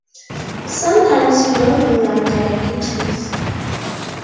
Sometimes you don't know that they're guitars.